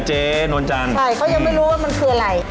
ใช่เขายังไม่รู้ว่ามันคืออะไร